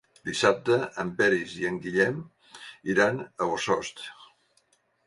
Dissabte en Peris i en Guillem iran a Bossòst.